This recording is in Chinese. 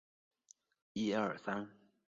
同级别的也携带这种手杖。